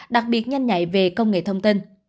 đặc biệt nhanh nhạy về công nghệ thông tin